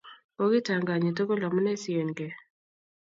Kokitanganyi tugul amune sienkei